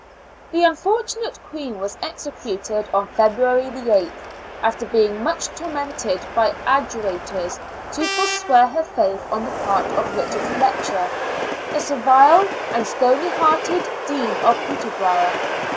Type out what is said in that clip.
The unfortunate Queen was executed on February 8th, after being much tormented by adjurations to forswear her faith on the part of Richard Fletcher, the servile and stonyhearted Dean of Peterborough.